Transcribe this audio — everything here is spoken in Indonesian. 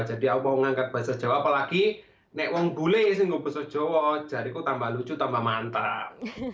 jadi aku mau ngangkat bahasa jawa apalagi nek wong bule sih ngebesok jawa jadi aku tambah lucu tambah mantap